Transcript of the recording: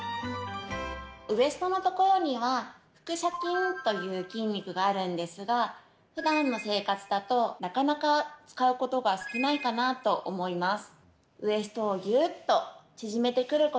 ウエストのところには腹斜筋という筋肉があるんですがふだんの生活だと、なかなか使うことが少ないかなと思います。